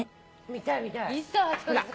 見たい見たい。